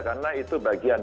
karena itu bagian